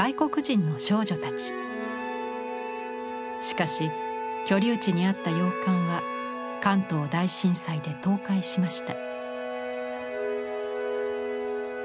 しかし居留地にあった洋館は関東大震災で倒壊しました。